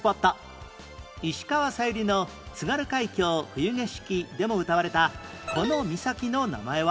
石川さゆりの『津軽海峡・冬景色』でも歌われたこの岬の名前は？